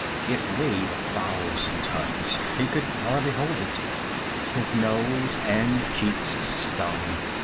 It weighed a thousand tons; he could hardly hold it. His nose and cheeks stung.